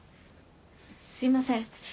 すいません。